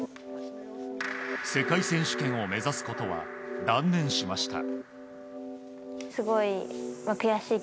世界選手権を目指すことは断念しました。